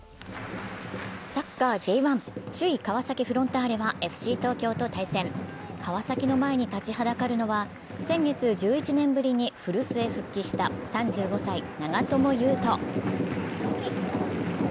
サッカーＪ１、首位・川崎フロンターレはＦＣ東京と対戦、川崎の前に立ちはだかるのは先月、１１年ぶりに古巣へ復帰した３７歳、長友佑都。